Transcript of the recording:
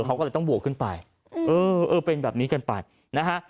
เขาก็เลยต้องบวกขึ้นไปเออเออเป็นแบบนี้กันไปนะฮะ